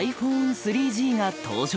ｉＰｈｏｎｅ３Ｇが登場。